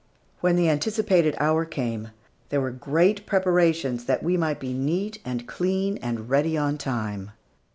When the anticipated hour came, there were great preparations that we might be neat and clean and ready on time.